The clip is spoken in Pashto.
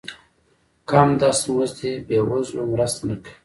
کم دست مزد بې وزلو مرسته نه کوي.